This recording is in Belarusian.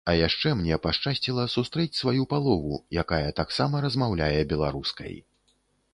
А яшчэ мне пашчасціла сустрэць сваю палову, якая таксама размаўляе беларускай.